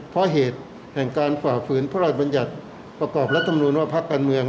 เพราะเหตุแห่งการฝ่าฝืนพระราชบัญญัติประกอบรัฐมนุนว่าพักการเมือง